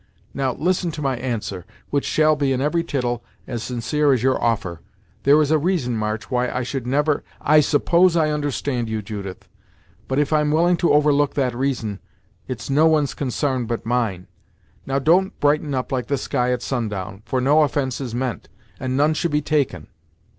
Now, listen to my answer, which shall be, in every tittle, as sincere as your offer. There is a reason, March, why I should never "I suppose I understand you, Judith, but if I'm willing to overlook that reason, it's no one's consarn but mine Now, don't brighten up like the sky at sundown, for no offence is meant, and none should be taken."